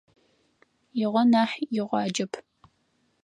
Игъо нахь, игъуаджэп.